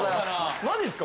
マジすか？